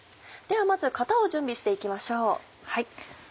ではまず型を準備して行きましょう。